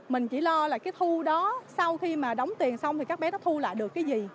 mình chỉ lo là cái thu đó sau khi mà đóng tiền xong thì các bé nó thu lại được cái gì